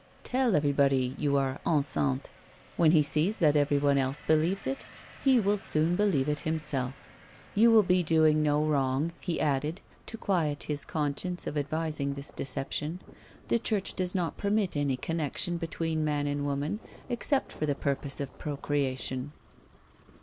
" Tell everybody you are enceinte. When he sees that everyone else believes it, he will soon believe it himself. 170 A WOMAN'S LIFE. You will be doing no wrong," he added, to quiet his con science for advising this deception ;" the Church does not permit any connection between man and woman, except for the purpose of procreation."